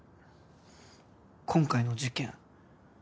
今回の事件。